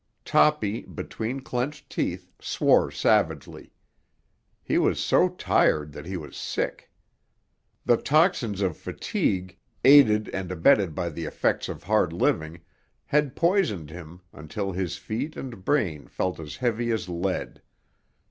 Toppy, between clenched teeth, swore savagely. He was so tired that he was sick. The toxins of fatigue, aided and abetted by the effects of hard living, had poisoned him until his feet and brain felt as heavy as lead.